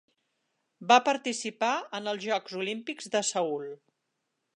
Va participar en els Jocs Olímpics de Seül.